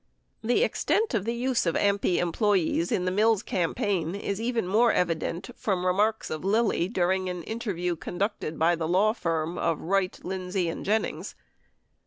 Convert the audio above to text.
The extent of the use of AMPI employees in the Mills campaign is even more evident from remarks of Lilly during an interview con ducted by the law firm of Wright, Lindsey and Jennings.